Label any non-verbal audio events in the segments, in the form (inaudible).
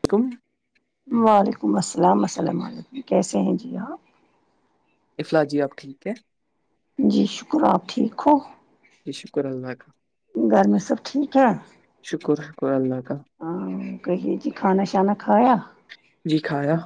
ولیکم وعلیکم السلام السلام علیکم کیسے ہیں جی افلا جی آپ ٹھیک ہے جی شکر آپ ٹھیک ہو جی شکر اللہ کا گھر میں سب ٹھیک ہے شکر شکر اللہ کاالی ہاں کہے جی کھانا شانا کھایا جی کھایا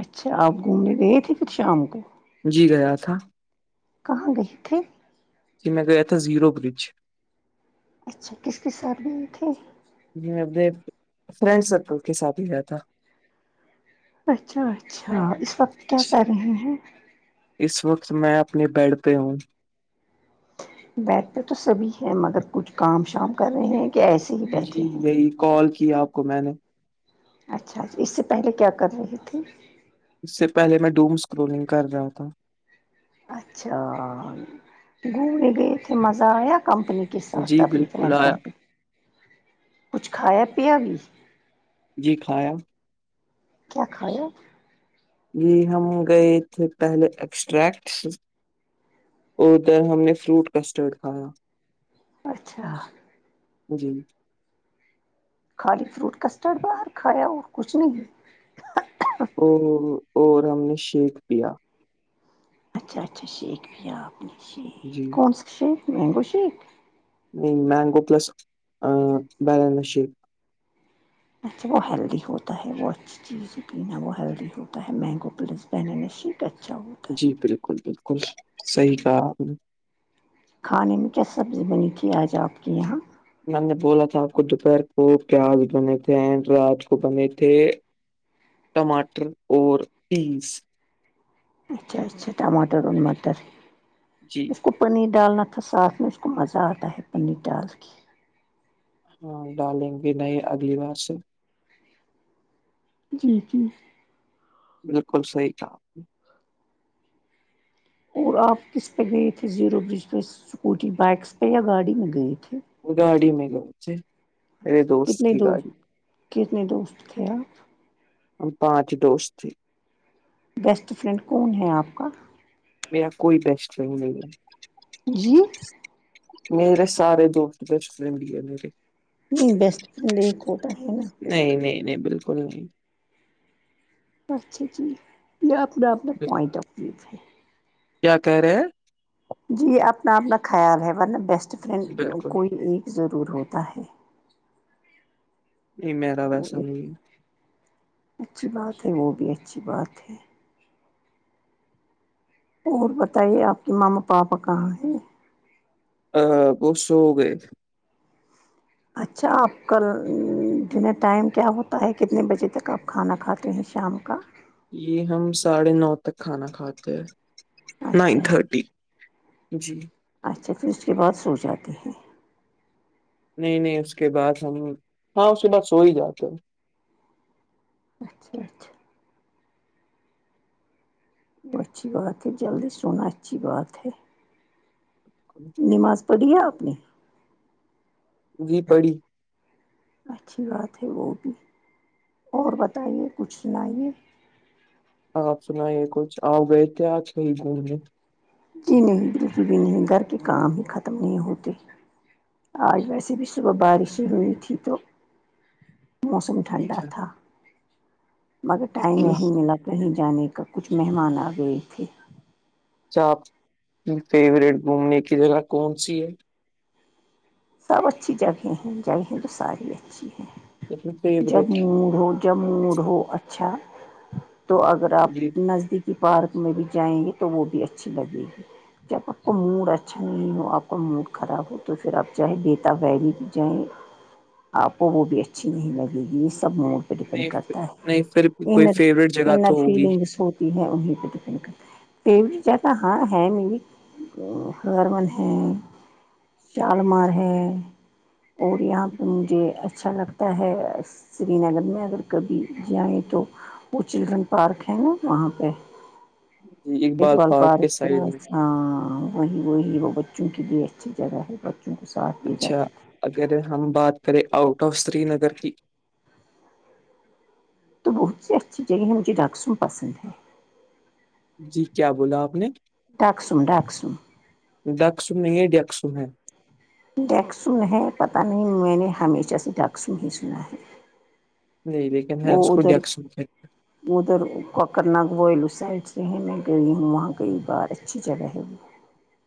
اچھا آپ گھومنے گئے تھے کچھ شام کو جی گیا تھا کہاں گئے تھے کہ م میں گی ا تھ ہ زیرو برج اچھا کس ک سات میں تھی میں اپنے فرینڈ سرکل کے ساتھ ہی گیا تھا اچھا اچھا اس وقت کیا جی۔ کر رہے ہیں اس وقت میں اپنی بیڈ پہ ہوں بٹھر تو سبھی ہے مگر کچھ کام شام کر رہے ہیں کہ ایسے ہی جی بیٹھے ہیں یہی کال کی آپ کو میں نے اچھا اچا اس سے پہلے کیا کر رہی تھی اس سے پہلے میں ڈوم اسکروننگ کر رہا تھا اچھا گھومنے گئے اے مزہ آیا کمپنی کا- کے ساتھ تھا جی اپنی بالکل فرینڈ آیا کمپنی کچھ کھایا پیا بھی? جی کھایا کیا کھا- جی ہم گئے تھے پہلے ایکسٹریکٹ- اور ادھر ہم نے فروٹ کسٹرڈ کھایا- اچھا- جی- خالی فروٹ کسٹرڈ باہر کھا اور کھ نہیں ہے- اور- اور ہم نے شیک پیا اچھا اچھا شیک بھی آپ نے شیک جی کون سا شیک مینگو شیک نہیں مینگو پلس بانسی- اچھا وہ ہیلدی ہوتا ہے وہ اچھا اس چیز سے پینا وہ ہیلدی ہوتا ہے مینگو پلس پہن نیک اچھا ہوتا ہے- جی بالکل- بالکل صحیح کہا آپ نے- کھانے میں کیا سبزی بنی تھی آج آپ کے یہاں- میںم نے بولا تھا آپ کو دوپہر کو پیاز بنے تھے اینڈ رات کو بنے تھے ٹماٹر اور پینس- اچھا- اچھا ٹماٹر وماٹر جی اس کو- پنیر ڈالنا تھا ساتفھ میں اس کو مزہ آتا ہے پنیر ڈال کے- ہاں ڈالیں گے نئے اگلی بار سے جی- جی بالکل صحیح تھا اور آپ کس پہ گئے تھے زیرو برج پہ اسکوٹی بائکس پہ یا گاڑی میں گئے تھے- گاڑی میں گاؤچ کتنے دوست کتنے دوست تھے آپ ہم پانچ ہی دوست تھے بیسٹ فرینڈ کون ہے آپ کا میرا کوئی بیسٹ فرینڈ نہیں ہے- جی میرے سارے دوست بچ فڈ ہے میرے می بیسٹ فرینڈ ہی کوٹ ہے نا- نہیں- نہیں- نہیں بالکل ہی نہیں- اچھا جی یہ اپنا- اپنا پوائنٹ آف ویو ہے- کیا کہہ رہے ہیں? جی اپنا -اپنا خیال ہے ورنہ بیسٹ فرینڈ بالکل کوئی ایک ضرور ہوتا ہے- نہیں میرا ویسا کوئی نہیں اچھی بات ہے وہ بھی اچھی بات ہے- اور بتائیے آپ کی ماما- پاپا کہاں ہے- ا بہت سو گئے اچھا آپ کال دنیں ٹائم کیا ہوتا ہے کتنے بجے تک آپ کھانا کھاتے ہیں شام کا- یہ ہم ساڑھے نو تک کھانا کھاتے ہیں نائن اچھا تھرٹی- جی اچھا پھر اس کے بعد سو جاتے ہیں- نہیں- نہیں اس کے بعد ہم ہاں اس کے بعد سو ہی جاتے- اچھا- اچھا وہ اچھی بات ہے جلدی سنا اچھی بات ہے- ہیں نماز پڑھییا اپنی گ پڑی اچھی بات ہے وہ بھی اور بتائیے کچھ سنائیے- آپ سنائیے کچھ آؤ گئے تھے آج کہی گھومنے جی نہیں بالکل بھی نہیں گھر کے کام ہی ختم نہیں ہوتے آج ویسے بھی صبح بارشیں ہوئی تھی تو موسم ٹھنڈا اچھا تھا مگر ٹائم اچھا نہیں ملا تھا کہیں جانے کا کچھ مہمان آ گئے تھے کیا آپ کی فیوریٹ گھومنے کی جگہ کون سی ہے سب اچھی جگہ ہیں جگہیں تو ساری اچھی ہے اپنی جب فیوریٹ م ج موڈ ہو اچھا تو اگر آپ جی نزدیک کہ پارک میں بھی جائیں گے تو وہ بھی اچھی لگے گی جب آپ کا موڈ اچھا نہیں ہو آپ کا موڈ خراب ہو تو پھر آپ چاہے بیتا ویلی جیں آپ کو وہ بھی اچھی نہیں لگے گی یہ سب موڈ پہ ڈیپینڈ نہیں پھر- کرتا نہیں پھر بھی ہے کوئی ان فیوریٹ جگہ تو انر ہوگی فیلنگس ہوتی ہے انیں پہ ڈیپینڈ کرتا ہے ٹیچاہ تو ہاں ہے میز ہارمن ہیں مار ہے اور یہاں پہ مجھے اچھا لگتا ہے سری نگر میں اگر کبھی جائیں تو وہ چلڈرن پارک ہے نا وہاں پہ جی اقبال پارک کے سائڈ میں ہاں وہی وہی وہ بچوں کے لیے اچھی جگہ ہے کو ساتھ لے اچھا جاتے ہیں اگر ہم بات کریں آؤٹ آف سری نگر کی تو بہت سی اچھی جگہ ہیں مجھے ڈاکسم پسند ہے جی کیا بولا آپ نے راکسوں راکسوں ڈیک سن نہیں ہے ڈیک سن ہے ڈیکسن ہے پتہ نہیں میں نے ہمیشہ سے ڈیکسن ہی سنا ہے نہیں لیکن ہے اس وہ کو ادھر ڈیکس ادھر کوکر ناگ ول اس سائڈ سے ہے میں گئی ہوں وہاں گئی بار اچھی جگہ ہے وہ ج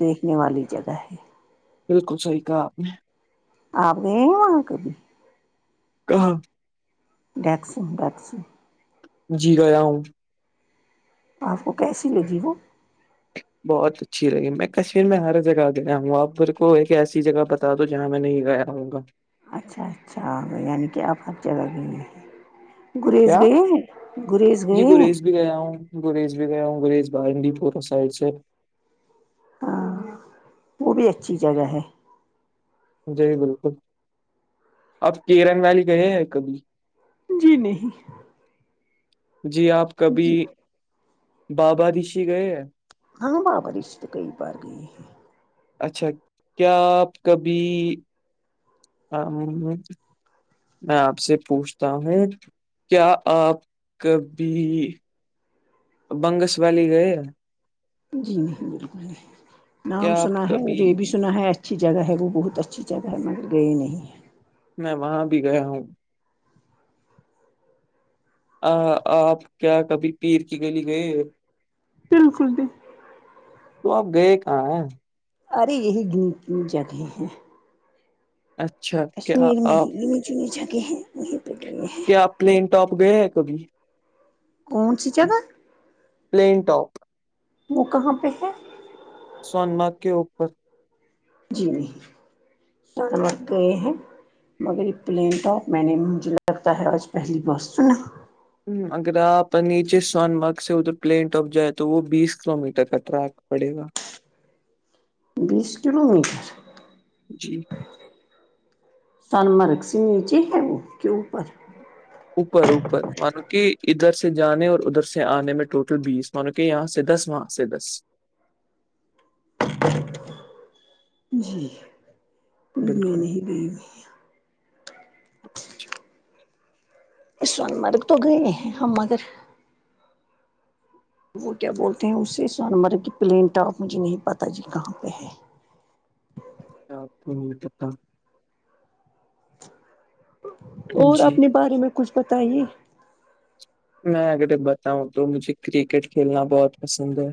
دیکھنے والی جگہ ہے بالکل صحیح کا آ نہیں آک بھی ہ دیکس دیکس جی گیا ہوں آپ کو کیسی لگی وہ بہت اچھی لگی میں کشمیر میں ہر جگہ گیا ہوں آپ بھر کو ایک ایسی جگہ بتا تو جہاں میں نہیں گیا رہوں گا اچھا اچھا یعنی کہ آپ ہر جگہ گے ہیں گریز کیا گئے گریز جی گئے گریز بھی گیا ہوں گریج بھی گیا ہوں گریج بارڈی پور سائڈ سے ہاں وہ بھی اچھی جگہ ہے جی بالکل آپ کیرن ویلی کہے ہیں کبھی جی نہیں جی آپ کبھی جی بابا دشی گئے ہیں ہاں بابا رشتے کئی بار گئے ہیں اچھا کیا آپ کبھی ہ ہ میں آپ سے پوچھتا ہوں کیا آپ کبھی بنگس والالی گئے جی ج بالکل ج نام کیا آپ سنا ہے اور کبھی رے بھی سنا ہے اچھی جگہ ہے وہ بہت اچھی جگہ ہے مگر گئی نہیں میں وہاں بھی گیا ہوں آ آپ کیا کبھی پیر کی گلی گئے بالکل بھی تو آپ گئے کہاں ہے ارے یہی گ جگہیں ہیں اچھا کیا کشمیر میں ہی آپ گنی چنی جگہ ہیں وہیں پہ گئی ہیں کیا آپ پلین اپ گئے ہیں کبھی کون سی جگہ پلین ٹاپ وہ کہاں پہ ہے سونما کے اوپر جی نہیں گئے ہیں مگر یہ پلین ٹاپ میں نے مجھے لگتا ہے آج پہلی بار س نا اگر آپ نیچے سون مارگ سے ادھر پلین ٹاپ جائے تو وہ بیس کلو میٹر کا ٹریک پڑے گا بیس کلو میٹر جی سنمرگ سے نیچے ہے وہ کے اوپر اوپر اوپر مانو کہ ادھر سے جانے اور ادھر سے آنے میں ٹوٹل بیس م کے یہاں سھس ص سدھس جی میں بالکل نہیں د گا سون مرگ تو گئے ہیں ہم مگر وہ کیا بولتے ہیں اسے سون مرگ کی پلین ٹاپ مجھے نہیں پتا جی کہاں پہ ہے آ اور جی اپنے بارے میں کچھ بتائیے میں اگر بتاؤں تو مجھے کرکٹ کھیلنا بہت پسند ہے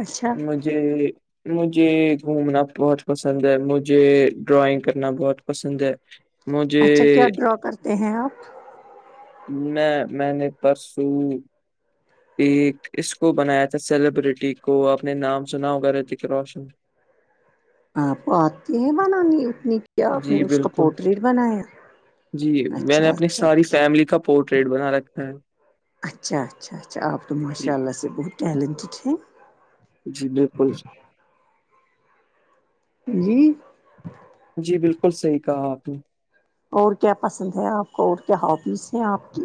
اچھا جی مجھے گھومنا بہت پسند ہے مجھے ڈرائنگ کرنا بہت پسند ہے اچھا اچھا کیا ڈرا کرتے ہیں آپ میں میں نے پرسوں ایک اسکو بنایا تھا سیلیبرٹی کو اپنے نام سناؤ کر رہے تھے کہ روشن آپ آتے ہیں بنانی اتنی کیا آپ نے جی اس کا بالکل پورٹریٹ بنایا جی میں نے اچھا اپنی اچھا ساری اچھا فیملی کا پورٹریٹ بنا رکھا ہے اچھا اچھا اچھا آپ تو ماشاء جی اللہ سے بہت ٹیلنٹیڈ ہیں جی بالکل جی جی بالکل صحیح کہا آپ نے اور کیا پسند ہے آپ کو اور کیا ہبیز ہیں آپ کی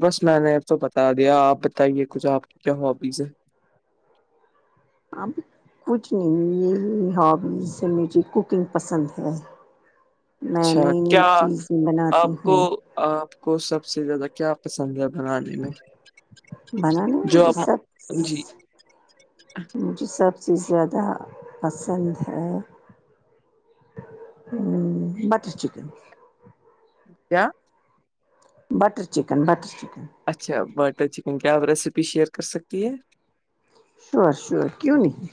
بس میں نے تو بتا دیا آپ بتائیے کچھ آپ کی کیا ہبیز ہے اب کچھ نہیں یہ ہابیز مجھے کوکنگ پسند ہے میں اچھا نئی نئی کیا چیزیں بناتی آپ کو ہوں آپ کو سب سے زیادہ کیا پسند ہے بنانے میں بنانے میں جو مجھے اب سب جی مجھے سب سے زیادہ پسند ہے ہ بٹر چکن کیا بٹر چکن بٹر چکن اچھا بٹر چکن کیا آپ ریسیپی شیئر کر سکتی ہیں شور شور کیوں نہیں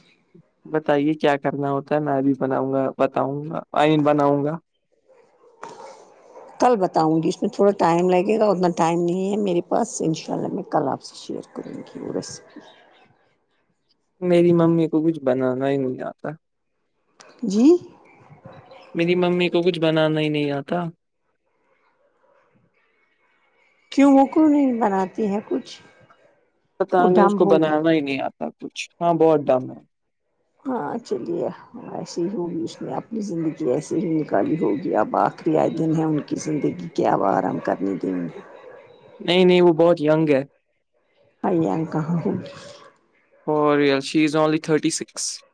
بتائیے کیا کرنا ہوتا ہے میں اب بناؤں گا بتاؤں گا آئین بناؤں گا (inaudible) کل بتاؤں گی اس میں تھوڑا ٹائم لگے گا اتنا ٹائم نہیں ہے میرے پاس ان شاء اللہ میں کل آپ سے شیئر کریں کی ریسپی میری ممی کو کچھ بنانا ہی نہیں آتا جی میری ممی کو کچھ بنانا ہی نہیں آتا کیوں وہ کیوں نہیں بناتی ہے کچھ پتا وہ نہیں اس کو ڈھمب ہوگی بنانا ہی نہیں آتا کچھ ہاں بہت ڈم ہے ہاں چلیے ایسی ہی ہوگی اس نے اپنی زندگی ایسے ہی نکالی ہوگی آ بات کرہ دن ہے ان کی زندگی کے آبارم کرنے دن ہے نہیں نہیں وہ بہت یگ ہے اور آ کہوں اور رل she's only thirty six (unintelligible) (inaudible)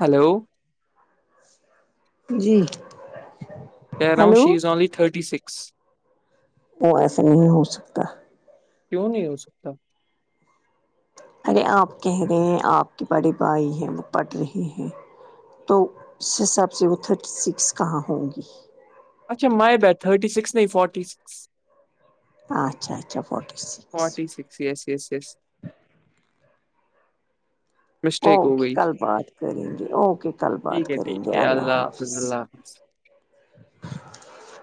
hello جی ہیلو (inaudible) (unintelligible) وہ ایسا نہیں ہو سکتا (unintelligible) کیوں نہیں ہو سکتا ارے آپ کہہ رہے ہیں آپ کی بڑی بھائی ہے وہ پڑھ رہی ہیں تو اس حساب سے وہ تھرٹی سکس کہاں ہوں گی اچھا مائیبٹ تھرٹی سکس نہیں فٹی سکس اچھا اچھا forty six forty six yes yes yes mistake ہو اوکے گئی کل بات کریں گے اوکے کل بات ٹھیک ہے کریں ٹھیک گے ہے اللہ حفظ حافظ اللہ حاظ